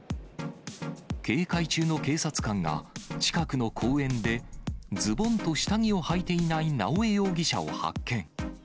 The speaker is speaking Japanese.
警戒中の警察官が、近くの公園で、ズボンと下着をはいていない直江容疑者を発見。